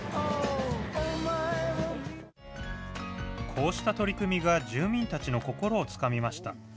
こうした取り組みが住民たちの心をつかみました。